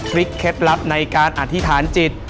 เคล็ดลับในการอธิษฐานจิต